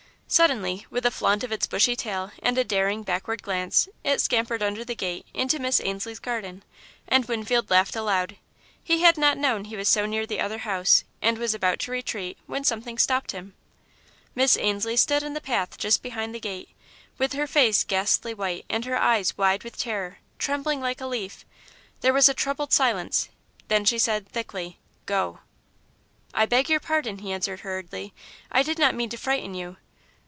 Suddenly, with a flaunt of its bushy tail and a daring, backward glance, it scampered under the gate into Miss Ainslie's garden and Winfield laughed aloud. He had not known he was so near the other house and was about to retreat when something stopped him. Miss Ainslie stood in the path just behind the gate, with her face ghastly white and her eyes wide with terror, trembling like a leaf. There was a troubled silence, then she said, thickly, "Go!" "I beg your pardon," he answered, hurriedly, "I did not mean to frighten you."